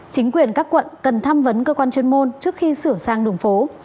chính quyền các quận cần tham vấn cơ quan chuyên môn trước khi sửa sang đường phố